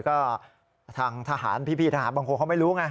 ก็ทางทหารพี่ทหารบางคนเขาไม่รู้ไง